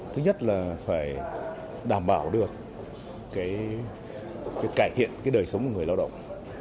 thứ nhất là phải đảm bảo được cải thiện cái đời sống của người lao động